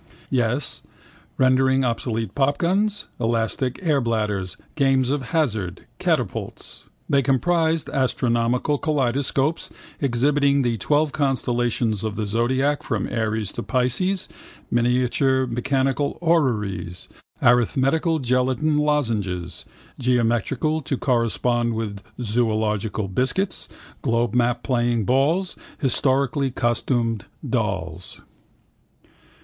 Yes, rendering obsolete popguns, elastic airbladders, games of hazard, catapults. They comprised astronomical kaleidoscopes exhibiting the twelve constellations of the zodiac from Aries to Pisces, miniature mechanical orreries, arithmetical gelatine lozenges, geometrical to correspond with zoological biscuits, globemap playing balls, historically costumed dolls.